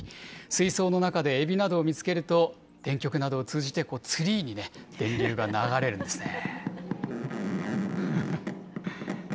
水槽の中でエビなどを見つけると、電極などを通じてツリーに電流が流れるんですね。